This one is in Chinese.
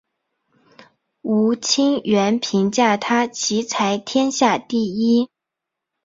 吴清源评价他棋才天下第一。